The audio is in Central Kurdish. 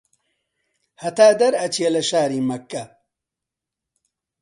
هەتا دەرئەچی لە شاری مەککە